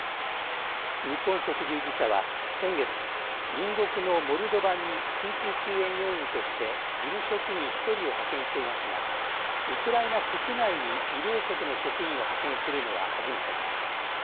日本赤十字社は先月、隣国のモルドバに緊急救援要員として事務職員１人を派遣していますがウクライナ国内に医療職の職員を派遣するのは初めてです。